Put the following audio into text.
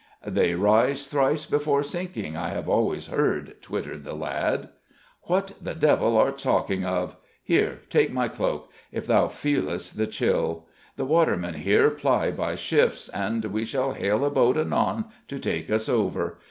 "They rise thrice before sinking, I have always heard," twittered the lad. "What the devil art talking of? Here, take my cloak, if thou feelest the chill. The watermen here ply by shifts, and we shall hail a boat anon to take us over.